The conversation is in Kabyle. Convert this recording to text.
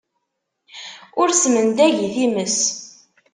Ur smendag i times.